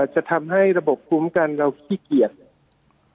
จะทำให้ระบบคุ้มกันเราขี้เกียจ